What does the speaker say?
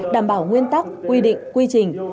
đảm bảo nguyên tắc quy định quy trình